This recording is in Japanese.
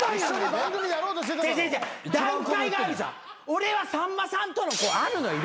俺はさんまさんとのあるのよ